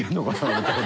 みたいな。